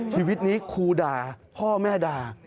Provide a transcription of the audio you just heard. ชีวิตนี้ครูด่าพ่อแม่ด่า